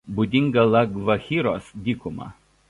Būdinga La Gvachiros dykuma.